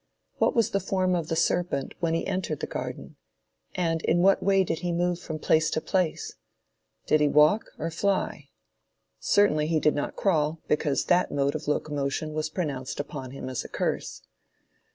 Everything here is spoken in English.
What was the form of the serpent when he entered the garden, and in what way did he move from place to place? Did he walk or fly? Certainly he did not crawl, because that mode of locomotion was pronounced upon him as a curse.